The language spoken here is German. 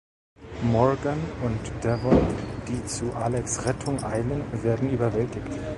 Morgan und Devon, die zu Alex’ Rettung eilen, werden überwältigt.